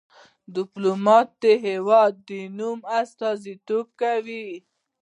ډيپلومات د هېواد د نوم استازیتوب کوي.